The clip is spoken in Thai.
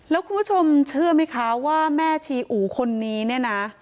แล้วคุณผู้ชมเชื่อไหมคะว่าแม่ชีอู๋คนนี้เนี่ยนะ